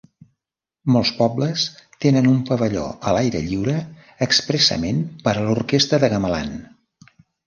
Molts pobles tenen un pavelló a l'aire lliure expressament per a l'orquestra de gamelan.